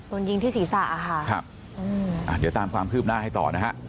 โดนยิงที่ศีรษะค่ะครับอืมอ่าเดี๋ยวตามความคืบหน้าให้ต่อนะฮะ